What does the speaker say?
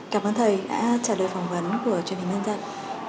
cảm ơn thầy đã trả lời phỏng vấn của truyền hình nhân dân